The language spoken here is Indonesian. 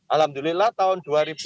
alhamdulillah tahun dua ribu dua puluh